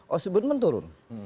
om busman turun